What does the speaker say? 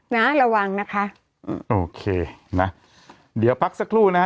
นะระวังนะคะอืมโอเคนะเดี๋ยวพักสักครู่นะฮะ